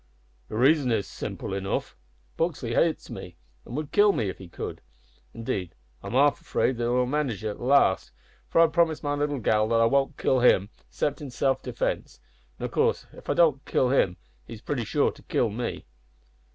"The reason Is simple enough. Buxley hates me, and would kill me if he could. Indeed I'm half afraid that he will manage it at last, for I've promised my little gal that I won't kill him 'cept in self defence, an' of course if I don't kill him he's pretty sure to kill me."